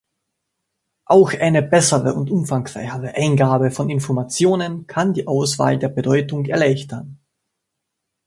Auch eine bessere und umfangreichere Eingabe von Informationen kann die Auswahl der Bedeutung erleichtern.